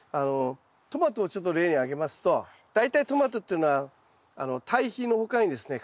トマトをちょっと例に挙げますと大体トマトっていうのは堆肥の他にですね